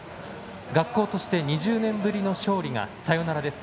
学校として２０年ぶりの勝利がサヨナラです。